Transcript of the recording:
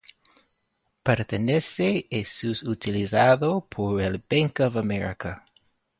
Pertenece y es utilizado por el Bank of America.